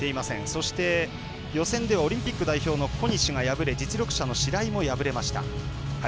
そして、予選ではオリンピック代表の小西が敗れ実力者の白井も敗れました。